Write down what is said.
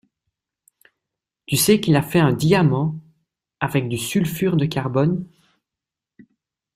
Tu sais qu'il a fait un diamant avec du sulfure de carbone?